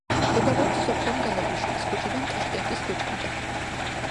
მდებარეობს სოფრომ მგალობლიშვილის ქუჩიდან ტაშკენტის ქუჩამდე.